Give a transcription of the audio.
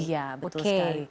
iya betul sekali